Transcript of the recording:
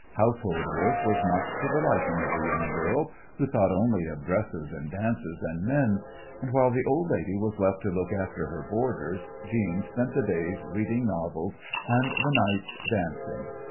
Household work was not to the liking of the young girl, who thought only of dresses and dances and men, and while the old lady was left to look after her boarders Jeanne spent the days reading novels and the nights dancing.